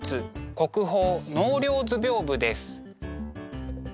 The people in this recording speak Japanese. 国宝「納涼図屏風」です。